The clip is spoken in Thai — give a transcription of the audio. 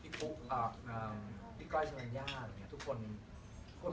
ใช่ร้องสัตว์วันสอง